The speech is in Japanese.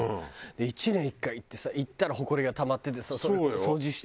１年に１回行ってさ行ったらほこりがたまっててさそれを掃除して。